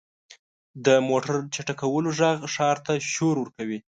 • د موټر چټکولو ږغ ښار ته شور ورکوي.